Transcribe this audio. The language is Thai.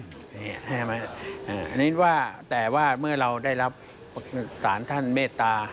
ใช่ไหมแต่ว่าเมื่อเราได้รับสารท่านเมตตา